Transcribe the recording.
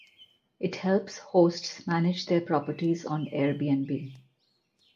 It helps hosts manage their properties on Airbnb.